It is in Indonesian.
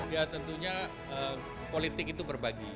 ya tentunya politik itu berbagi